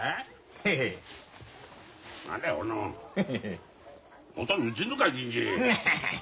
ヘヘヘ。